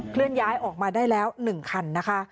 เลื่อนย้ายออกมาได้แล้ว๑คันนะคะ